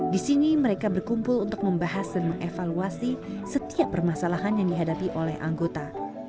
di sini mereka berkumpul untuk membahas dan mengevaluasi setiap permasalahan yang dihadapi oleh anggota